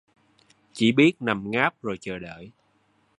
Chỉ biết nằm ngáp rồi chờ đợi